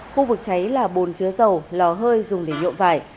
khu vực cháy là bồn chứa dầu lò hơi dùng để nhuộm vải